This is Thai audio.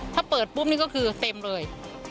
ถ้าเปิดปุ๊บนี่ก็คือเต็มเลย